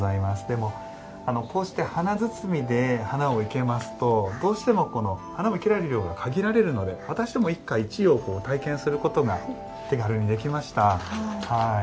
こうして華包で花を生けますとどうしても花を生けられる量が限られるので私でも「一花一葉」を体験することが手軽にできました。